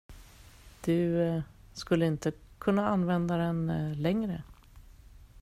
Du skulle inte kunna använda den längre.